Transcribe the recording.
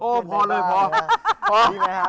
ดีไหมค่ะ